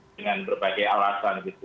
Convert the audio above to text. dengan berbagai alasan gitu